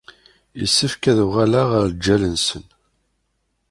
Yessefk ad uɣaleɣ ɣef lǧal-nsen.